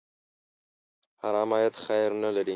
حرام عاید خیر نه لري.